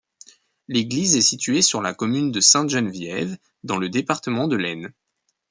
L'église est située sur la commune de Sainte-Geneviève, dans le département de l'Aisne.